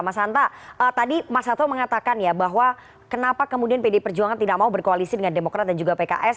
mas hanta tadi mas satwa mengatakan ya bahwa kenapa kemudian pdi perjuangan tidak mau berkoalisi dengan demokrat dan juga pks